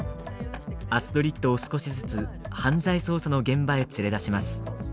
アストリッドを少しずつ犯罪捜査の現場へ連れ出します。